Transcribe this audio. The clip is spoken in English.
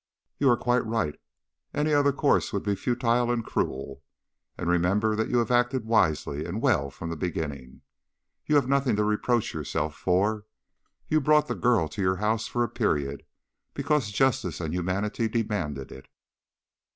"You are quite right. Any other course would be futile and cruel. And remember that you have acted wisely and well from the beginning. You have nothing to reproach yourself for. You brought the girl to your house for a period, because justice and humanity demanded it.